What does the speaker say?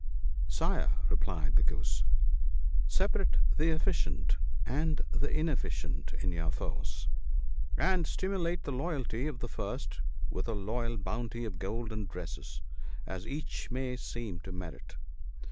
" Sire," replied the Goose, " separate the efficient and the inefficient in your force ; and stimulate the loyalty of the first, with a royal bounty of gold and dresses, as each may seem to merit.